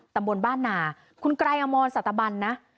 ตำบลบ้านนาคุณไรอมรสัตบันนะ